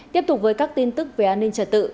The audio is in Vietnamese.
tiếp tục với các tin tức về an ninh trật tự